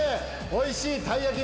おいしいたい焼き